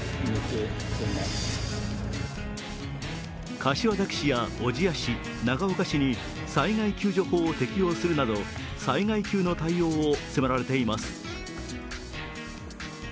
柏崎市や小千谷市、長岡市に災害救助法を適用するなど災害級の対応を迫られています。